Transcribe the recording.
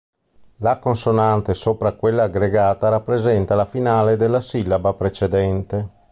La consonante sopra quella aggregata rappresenta la finale della sillaba precedente.